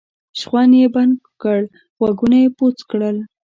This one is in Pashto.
شخوند یې بند کړ غوږونه یې بوڅ کړل.